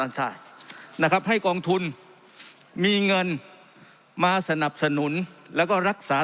ใช่นะครับให้กองทุนมีเงินมาสนับสนุนแล้วก็รักษา